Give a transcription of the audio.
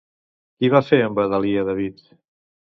Qui va fer embadalir a David?